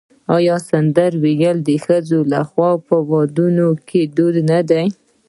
آیا سندرې ویل د ښځو لخوا په ودونو کې دود نه دی؟